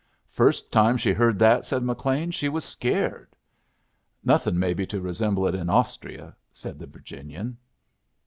"First time she heard that," said McLean, "she was scared." "Nothin' maybe to resemble it in Austria," said the Virginian.